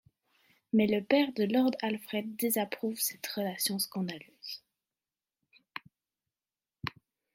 Mais le père de Lord Alfred désapprouve cette relation scandaleuse...